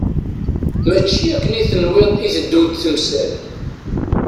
Mačči akken i tenwiḍ i teddunt temsal.